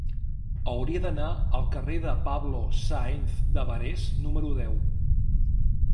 Hauria d'anar al carrer de Pablo Sáenz de Barés número deu.